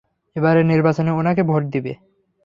এবারের নির্বাচনে উনাকে ভোট দিবে?